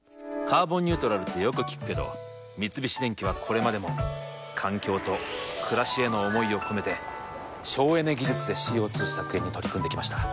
「カーボンニュートラル」ってよく聞くけど三菱電機はこれまでも環境と暮らしへの思いを込めて省エネ技術でＣＯ２削減に取り組んできました。